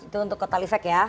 itu untuk ketalifek ya